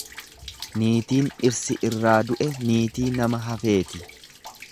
Niitiin dhirsi irraa du'e niitii nama hafeeti.